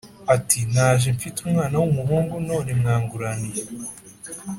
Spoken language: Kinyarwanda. ati 'naje mfite umwana w'umuhungu none mwanguraniye?!